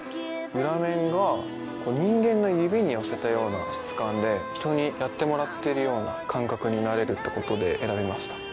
裏面が人間の指に寄せたような質感で人にやってもらってるような感覚になれるってことで選びました。